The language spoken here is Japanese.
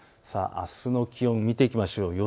あすの気温、見ていきましょう。